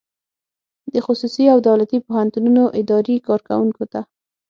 د خصوصي او دولتي پوهنتونونو اداري کارکوونکو ته